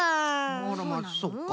あらまあそっか？